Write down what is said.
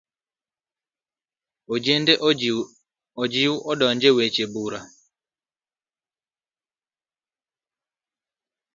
Ojende ojiw odonj e weche bura.